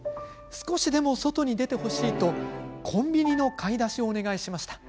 少しでも外に出てほしいとコンビニの買い出しをお願いしました。